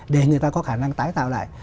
để người ta có khả năng tái tạo lại